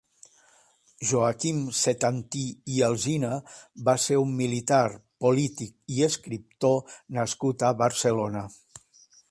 Joaquim Setantí i Alzina va ser un militar, polític i escriptor nascut a Barcelona.